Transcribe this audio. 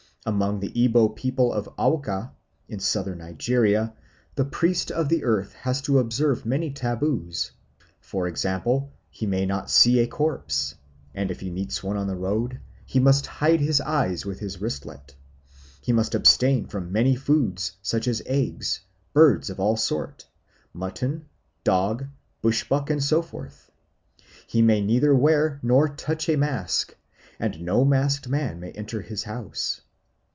Among the Ibo people about Awka, in Southern Nigeria, the priest of the Earth has to observe many taboos; for example, he may not see a corpse, and if he meets one on the road he must hide his eyes with his wristlet. He must abstain from many foods, such as eggs, birds of all sorts, mutton, dog, bush buck, and so forth. He may neither wear nor touch a mask, and no masked man may enter his house.